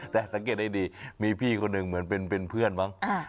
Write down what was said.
แต่สังเกตได้ดีมีพี่คนหนึ่งเหมือนเป็นเพื่อนมั้ง